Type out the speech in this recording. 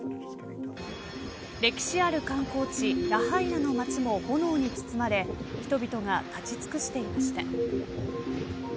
歴史ある観光地ラハイナの町も炎に包まれ人々が立ち尽くしていました。